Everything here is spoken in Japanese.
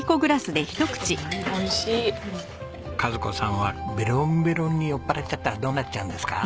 賀津子さんはベロンベロンに酔っ払っちゃったらどうなっちゃうんですか？